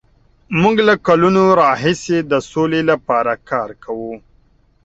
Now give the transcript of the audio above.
موږ له کلونو راهیسې د سولې لپاره کار کوو.